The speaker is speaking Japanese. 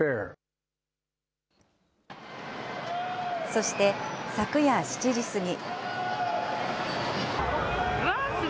そして、昨夜７時過ぎ。